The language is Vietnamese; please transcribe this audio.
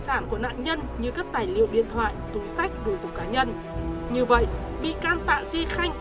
sản của nạn nhân như các tài liệu điện thoại túi sách đồ dùng cá nhân như vậy bị can tạ duy khanh